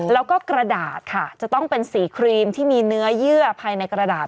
แล้วก็กระดาษค่ะจะต้องเป็นสีครีมที่มีเนื้อเยื่อภายในกระดาษ